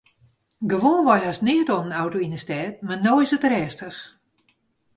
Gewoanwei hast neat oan in auto yn 'e stêd mar no is it rêstich.